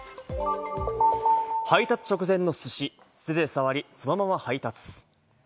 配達直前のすし、素手で触り、そのまま配達。